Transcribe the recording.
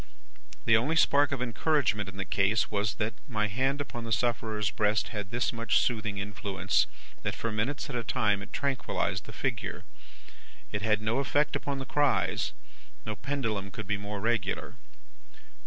The only spark of encouragement in the case, was, that my hand upon the sufferer's breast had this much soothing influence, that for minutes at a time it tranquillised the figure. It had no effect upon the cries; no pendulum could be more regular.